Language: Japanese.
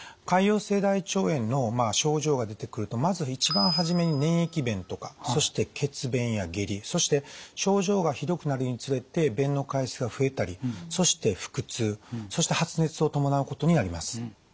潰瘍性大腸炎の症状が出てくるとまず一番初めに粘液便とかそして血便や下痢そして症状がひどくなるにつれて便の回数が増えたりそして腹痛そして発熱を伴うことになります。